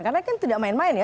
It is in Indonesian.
karena kan tidak main main ya